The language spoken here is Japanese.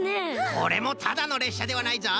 これもただのれっしゃではないぞい。